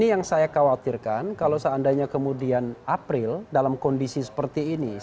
ini yang saya khawatirkan kalau seandainya kemudian april dalam kondisi seperti ini